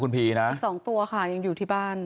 และ๒ตัวอยู่ที่บ้าน